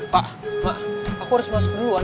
pak aku harus masuk duluan